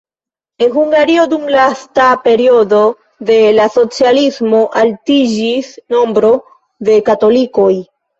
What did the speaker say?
En Hungario dum lasta periodo de la socialismo altiĝis nombro de katolikoj.